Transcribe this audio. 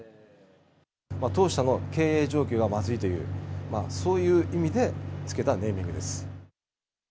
当社の経営状況がまずいという、そういう意味で付けたネーミングです。